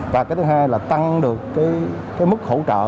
và thứ hai là tăng được mức hỗ trợ